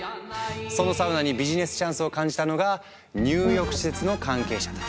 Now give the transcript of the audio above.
そのサウナにビジネスチャンスを感じたのが入浴施設の関係者たち。